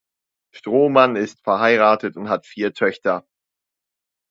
Strohmann ist verheiratet und hat vier Töchter.